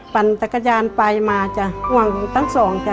ปันตะกะยานไปมามั่งทั้งสอง